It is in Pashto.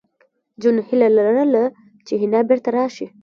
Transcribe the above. جون هیله لرله چې حنا بېرته راشي